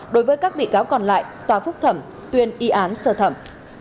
đối với các bị cáo còn lại tòa phúc thẩm tuyên y án sơ thẩm